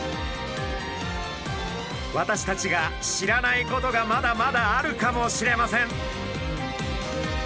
私たちが知らないことがまだまだあるかもしれません。